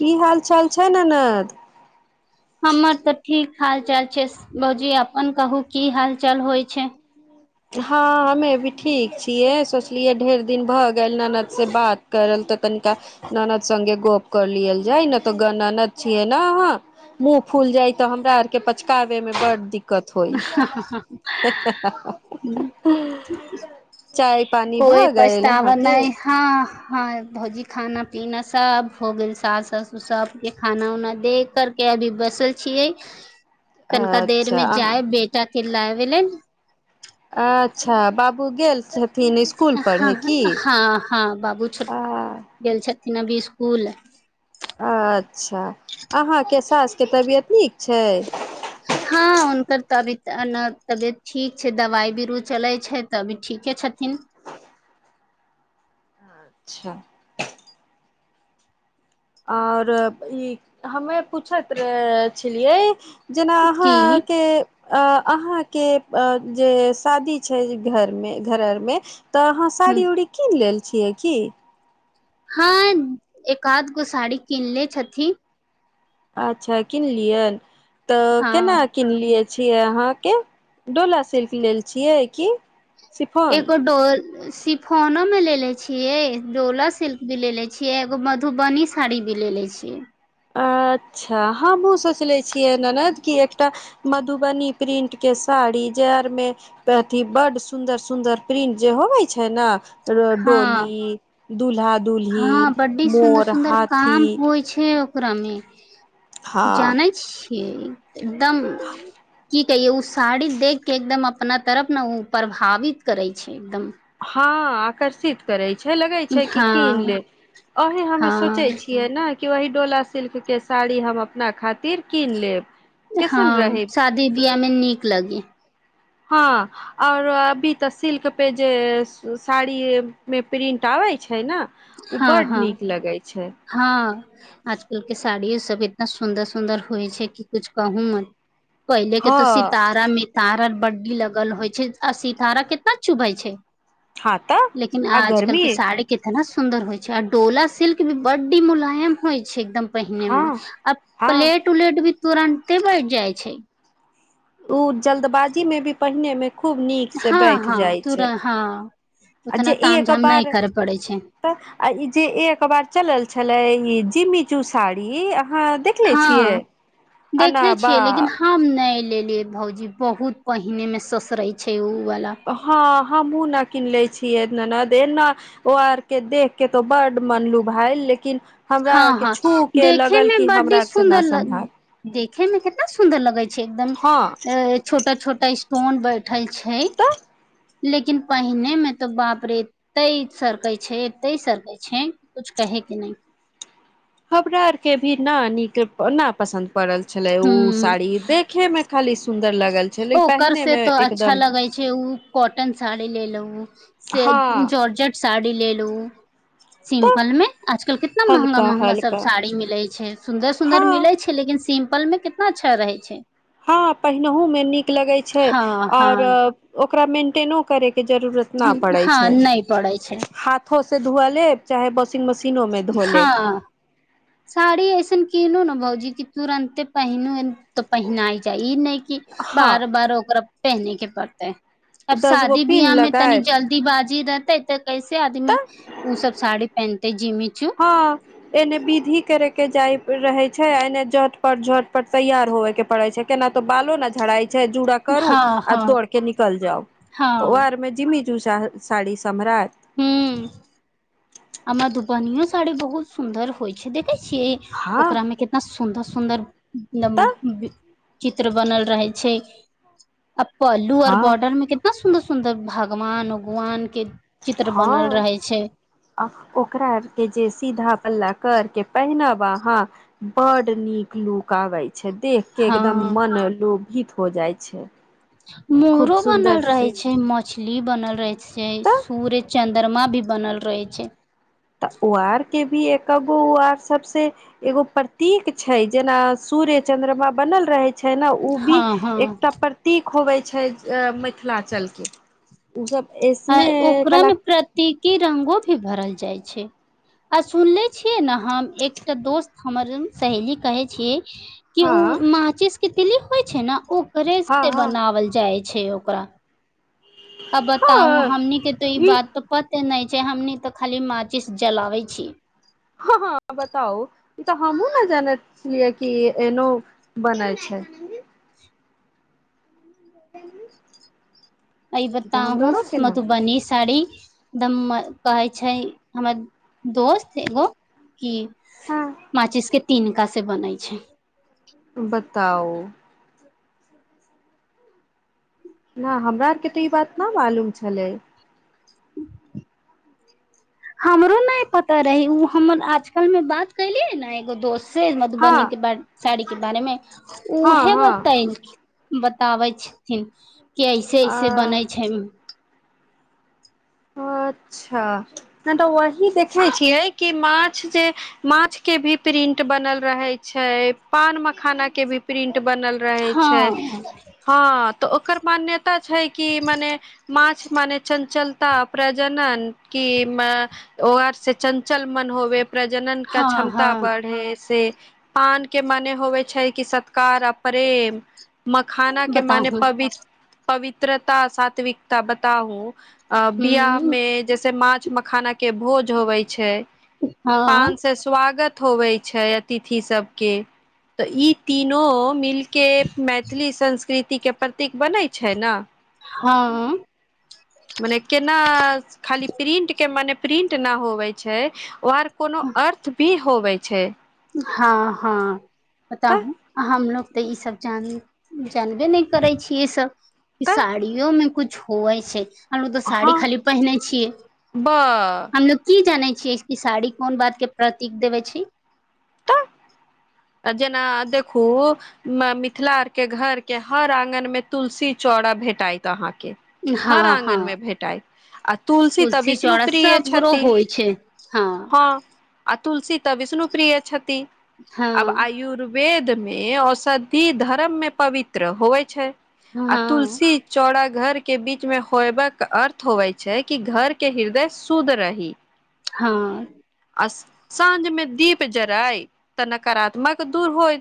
की हालचाल छै ननद। हमर तऽ ठीक हालचाल छै भौजी अपन कहू की हाल चाल होइ छै। हँ हमे भी ठीक छियै सोचलियै ढेर दिन भ ननद से बात करल तऽ कनिका ननद सगे गोप कर लिय जाय न तऽ गनन छिये ने अह मुंह फूल जाय ते हमरा आर के पचकावे में बड़ दिक्कत दकत होइ। ह पानी कोइ भऽ गेल पछतााव अहाँके नहि हँ। हँ भौजी खाना पीना सब हो गेल सास ससुर सबके खाना उना देख करके अभी बसल छियै। अच्छा। च अहाँ बेटा। क ल भेल लै ने। अच्छा बाबू गेल से। हँ हँ बाबू छो आ गेल छथि। नाभी इसकुल। अच्छा अहाँके सासके तबियत नीक छै। हँ हुनकर तऽ अभी त न तबियत ठीक छै दबाइ भी रोज चलै छै तऽ अभी ठीके छथिन। अच्छा। आओर ई हमे पूछैत रह छलियै। जेना की अहाँके। अ अहाँके जे शादी छै घर मे घरर मे। तऽ अहाँ साड़ी उड़ी कीन लेल। छियए किी। हँ एक आध गो साड़ी किनले छथिन। अच्छा किनलियै। तऽ केना हँ किनलियै। छियै अहाँके डोला सिल्क लेल छियै की। शिफॉन एको डोर। शिफोनोमे लेे छियै डोला सिल्क भी लेे छियै एगो मधुबनी साड़ी भी लेे छियै। अच्छा हँ बो स ले छियै ननद कि। एकटा मधुबनी प्रिंट के साड़ी जे आर मे अथी बड सुदर सुदर प्रिंट जे होवे छै ने। डोल हँ दुल्हा दुलही हँ बड्डी मोर हाथी। ओरामे। हँ जने छी। क एकदम। की कहियए ओ साड़ी देख के एकदम अपना तरफ ने ओ प्रभावित करै छै एकदम। हँ आकर्षित करै छै। छ लगे छै कि हँ कीन ले अहें हमे सोचे हँ छियै न। कि ओी डोला सिल्क के साड़ी हम अपना खातिर कीन लेब। कैसन रहे हँ शादी बीयाहमे नीक लगी। हँ आओर अभी तऽ सिल्क पे जे साड़ी मे प्रिंट आबैत छै न। ओ हँ बड हँ नीक लगे छै। हँ आजकल के साड़िय स सब इतना सुन्दर सुन्दर होइ छै कि कुछ कहू म। पहिले के हँ तो सितारा मितारा। बड्डी लगल होइ छै आ सितारा कितना चुभै छै। हँ तऽ लेकिन आ गर्मी आजकलके साड़ी केतना। सुन्दर होइ छै आ डोला सिल्क। भी बडी मुलायम होइ छै एकदम। पहिने हँ मे आब हँ प्लेट उलेट भी। तुरन्ते बैठ जाइ छै। ओ जल्दबाजी में भी पहिने मे। खूब नीक से हँ बैठ हँ जाइ छै तुरं हँ आ जे उतना ताम एक झाम नहि बार करे पड़ै छै ई जे एक बार चलल छले ई जिमी। चु साड़ी। अहाँ देखले छियै हँ अना देखले बा छियै लेकिन हम नै। लेले भौजी बहुत पहिने में ससरे छै। वाला हँ हमहुँ ने किीन ले छियै। न दे न ओ आरके देख के तो बड मनलु भ हइ लेकिन। हँ हमरा के हँ छू के देखे लगल मे कि बड्डी हमरा से न सुन्दर ल सम्हार देखे मे कितना सुन्दर लगै छै एकदम हँ अ छोटा छोटा। स्टोन बै। उठल छै। तऽ लेकिन पहिने में तो बाप रे एते सरकै छै एते सरकै छै कुछ कहे के नहि। घबरा आरके भी न नीक न पसन्द। पड़ल छले उ ह साड़ी देखे मे खाली। सुन्दर लगल छै लेकिन ओकर पहिने से मे तऽ अच्छा एकदम लगै छै ओ कॉटन साड़ी ले ल से हँ जॉर्जट साड़ी। ब लेल लू। तऽ सिम्पल मे आजकल कितना महँगा हल्का महँगा सब हल्का साड़ी मिलैत छै सुन्दर सुन्दर हँ मिलैत छै लेकिन सिम। बल में कितना छ रहै छै। हँ। मे न ल छै हँ हँ आऔर ओक मे। न करे। के जरूरत नहि पड़ै हँ छै नहि पड़ै छै हाथो। से धु लब चाहे वाशिंग मशी। तीिनोमे धोले। हँ साड़ी ऐसन किीनु ने भौजी क तुरन्ते पहिनू तो पहिनाय जा ई नहि। हँ बार बार ओकरा पहने के। करतै। अब दस गो शादी पिन बियाह में तनी लगायत जल्दी बाज। जी रहते तऽ कैसे आदमी तऽ ओ सब साड़ी पहनते। हँ एने बीधी। के के जाइ। रहै छै एने जट। पर झट पर तैयार होवे के प परड़े छै केना तो बालो ने झड़ा छै। जूड़ा करु हँ आ हँ दौड़ के निकल जाउ तऽ ओ हँ आर में जिमी। चू साड़ी सम््राट। हू। हमर दूपनिय सााड़ी बहुत सुन्दर होइ छै देख। छिय हँ ओकरा मे कितना। सुन्दर सुन्दर तऽ चित्र बनल रहे छै। आ प्लूऔ हँ बॉर्डर मे कितना सुन्दर। मतलब भगवान उगवान। के चित्र हँ बनल रहे छै। आ ओकरा के जे सीधा पल्ला कर के पहिनव अहा बड नीक लुक आवे छै। देख के हँ एकदम मन लोभ। हो जाइ छै। खूब मोरो सुन्दर बनल रहे से छै मछली बनल रहै छै तऽ सूर्य। चन्द्रमा भी बनल रहै छै। तऽ उ आर के भी एक गो उ आर सबस एगो प्रतीक छै जेना सूर्य चंद्रमा बनल रहै छै। छै ने उ भी हँ हँ एकटा प्रतीक होवे छै। छै मिथिलाञलके ओ सब। आ ऐसने ओकरामे कला प्रतीकी रंगो।। ी भरल जाइ छै आ सुनले छियै ने हम एकटा दोस्त हमर सहेली कहै छियै। कि हँ ओ माचिस। कि दिलेली होइ छै ने ओ। घ्रेज हँ से हँ बनावल जाय छै। छै ओकरा। अ बताउ हँ हमनी के तो ई बात त पता। एते नहि छै हमनी तऽ खाली माचिस जलाबै छी। हँ हँ बताउ ई तऽ हमहुँ ने जानैत छलियै कि एनो बनै छै। ी। अ बताहूँ मे तू बनी साड़ी एकदम। कहै छै हमर दोस्त एगो कि हँ माचिसके तिनका से बनै छै। बताउ। नहि हमरा आरके तऽ ई बात नहि मालूम छलै। हमरो नहि पता रहै ओ हमर आजकल मे बात कलियै ने एगो दोस्त। से हँ मधुबनी के ब साड़ी के बारे मे हँ उहे हँ बताै। बताबै छथिन। के ऐसे आ ऐसे बनै छै। [unintelligible] अच्छा तऽ वही देखे छियै कि माछ जे माछ के भी प्रिंट बनल रहे छै पान मखाना के भी प्रिंट। बनल रहै छै हँ। [unintelligible] तऽ ओकर मान्यता। छै कि मने माछ। माने चञ्चल। [unintelligible] त प्रजनन क ओर से चञ्चल मन होबे। प्रजनन का हँ क्षमता हँ बढ़ है ऐे। पान के मने होवे छै कि सत्कार आ प्रेम। मखाना के मने बताहु पवित्र। [unintelligible] पवित्रता सात्विकता बताउू। [unintelligible] अ बियाह हूँ मे जैसे मार। किछ मखाना के भोज होबै छै। हँ पान से स्वागत। होबै छै अतिथि सभके तऽ ई तीनो मिलके मैथिली संस्कृतिके प्रतीक बनैत छै न। हँ। [unintelligible] मने केना खाली प्रिंट के मने प्रिंट नहि होबै छै। वर कोनो अर्थ भी। होवै छै। [unintelligible] हँ- हँ। [unintelligible] तऽ बताउू हमलोग। [unintelligible] तऽ ईसभ जान जानबे -नहि करै छीियै ईसभ। तऽ साड़ियोमे कुछ। छआै छै। [unintelligible] हमलोग तो साड़ी हँ खाली पहने छियै [unintelligible] ब हमलोग की जाने छी। साड़ी कोन बात के प्रतीक देबे छै। [unintelligible] तऽ जेना देखू मिथिलार के घरके हर आँगन मे तुलसी चौड़ा भेटात अहाँके। हँ हर हँ आगन मे भेटय आ तुलसी तऽ विष्णु चौड़ा प्रिय सगरो छथि होइ छै [unintelligible] हँ। अतुलसी तऽ विष्णु प्रिय छथि। हँ अब आयुर। [unintelligible] वेदमे औषधि धर्ममे पवित्र होइ छै। [unintelligible] आ हँ तुलसी चौड़ा घर। [unintelligible] के बीच मे होयब अर्थ होवै छै कि घर के हृदय शुद्ध रही। [unintelligible] हँ। [unintelligible] आ -साँझ में दीप जराय तऽ नकारात्मक दूर होय।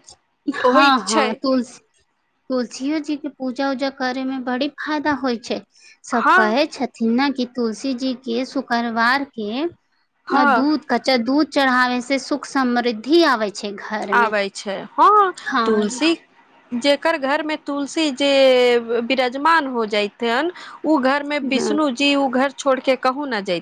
हँ -हँ तुलसी। तुलसियओ जी के पूजा उजा करे मे बड़ी फायदा होइ छै। [unintelligible] सभ हँ कहै छथिन ने कि। [unintelligible] तुलसी जीक के शुक्रवारके। न हँ दूध कच्चा दूध। चढ़ावे से सुख समृद्धि आवे छै। छै घरमे। आबै छै हँ -तुलसी। जेकर घरमे तुलसी जे बिराजमान हो जाइततन। ओ घर में हँ बिष्णु जी ओ घर। छोड़ के कहु न जै।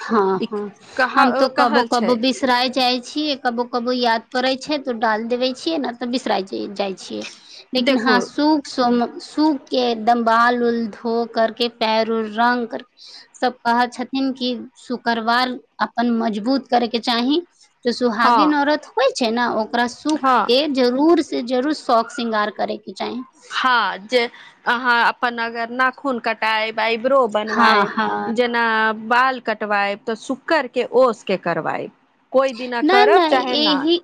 हँ हँ हम तो कबो कहल छै कबो बिसराय जाइ छीियै कबो कबो य। पड़े छै तो डाल देवे छये न तऽ बिसराई। जाइ छियै लेकिन हँ देखू सु स। सुूख के दमबाल उल धो कर के पैर उल रंग सब कहै छथिन। क शुक्रवार अपन मजबूत करैके चाही। त हँ सुहागे नौरत होइ। छैना ओ। ओकरा सुख हँ के जरूर। से जरुर शौक श्रृंगार करै। हँ जे। अहााँ अपन अगरनााखून कटाब। बइब्रो हँ बनबय हँ जेना। बाल कटवएब तऽ शुकर के ओस के करवएब। नहि नहि एहिही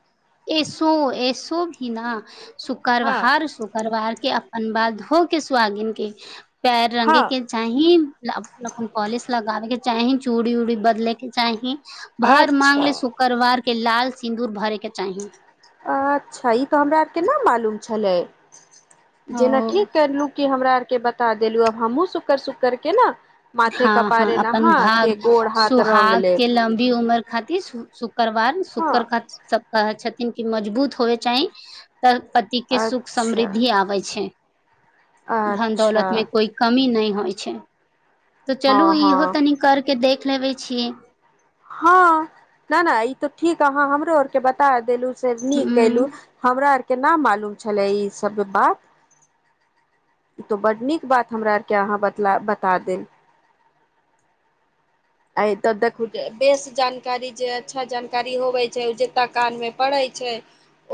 एसो एस। तो भीना। हँ शुक्रवार शुक्रवार। के अपन बाद ध के सु्वगिन के। पैर रंगे हँ के चाही पॉलिश लगाबे के। चाही चूड़ी उूड़ी बदलेके चाही। भार माँंगले अच्छा सु। के लाल सिन्दूर भरे के। चाही अच्छा ई तऽ हमरा। केना मालूम छै। छललै। जेना ठीक हँ करलू कि हमरा। के बता देलू अब हमहु सुकर सुख कर के न। [unintelligible] हँ -हँ अपन भाग गोड़ हाथ रंग सुहाग लेब के लम्बी उमर। [unintelligible] खातिर सु -सु। [unintelligible] करकरवार हँ शुकर खा। [unintelligible] कहै छथिन कि मजबूत होय चाही। तऽ पति के सुख अच्छा समृद्धि आबै छै। धन दौलत अच्छा में कोइ कमी नहि हो। [unintelligible] होइ छै। [unintelligible] तऽ चलू हँ हँ इहो तनी करके देख। [unintelligible] लेबै छियै। [unintelligible] हँ नहि -नहि ई तऽ ठीक अहाँ हमरो आर के बता देलू। [unintelligible] से न कलु हूँ हमरा आर। [unintelligible] केना मालूम छलै ई सब बात [unintelligible] ई तो बड नीक बात हमरा आर के अहाँ ब बता -देल। आ तऽ देखू बेस जानकारी जे अच्छा जानकारी होवे छै ओ जता कान मे पड़े छै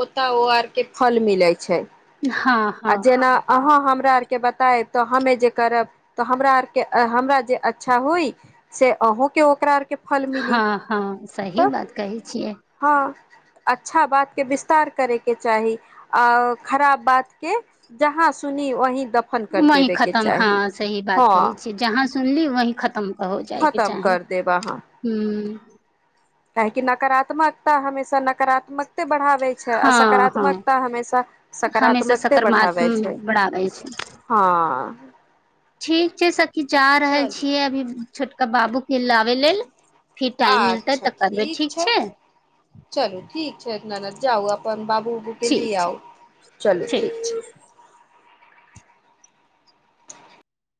ओतय ओ आर के फल मिले छै। [unintelligible] हँ आ हँ जेना आह। [unintelligible] हमरा आर के बताय तऽ हमे जे करब तऽ हमरा आर के हमरा -जे अच्छा होइ से अहूं के ओकरा आर के। हँ हँ सही बात कहै छियै। हँ अच्छा बातके विस्तार करयके चाही आ खराब बात। के जहाँ सुनी ओही। वही खतम हँ सही बात हँ कहै छियै जहाँ। सुनली वही खतम। हो जाइके खतम चाही कर ह। काहेक नकारात्मकता हमेशा नकारात्मक। बढ़ाबै छै आ हँ हँ सकारात्मकता हमेशा हमेशा सकारात्मकते बढ़ाबै सकारात्मक छै बढ़ाबै छै हँ। ठीक छै सबकी जा रहल चलू छियै अभी छट। क बाबू फ लब लेल। फिर टाइम मिलतै अच्छा तऽ करबै ठीक छै चलू ठीक छै ननद जाउ अपन बाबू उबू के लि ठीक छै आउ चलू ठीक छै।